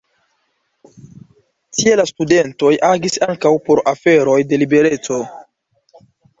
Tie la studentoj agis ankaŭ por aferoj de libereco.